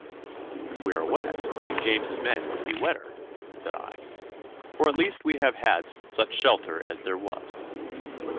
'If we are wet, King James's men must be wetter,' said I, 'for at least we have had such shelter as there was.